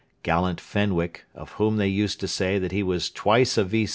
Gallant Fenwick, of whom they used to say that he was 'twice a V.